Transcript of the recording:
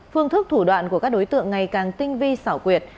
phương thức thủ đoạn của các đối tượng ngày càng tinh vi xảo quyệt